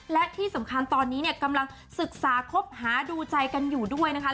และที่สำคัญตอนนี้เนี่ยกำลังศึกษาคบหาดูใจกันอยู่ด้วยนะคะ